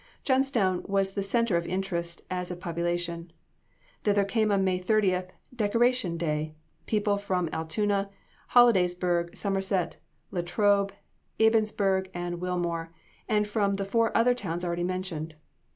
Johnstown was the center of interest as of population. Thither came on May 30th "Decoration Day" people from Altoona, Hollidaysburg, Somerset, Latrobe, Ebensburg and Wilmore, and from the four other towns already mentioned.